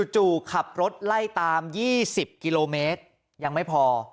จู่ขับรถไล่ตาม๒๐กิโลเมตรยังไม่พอ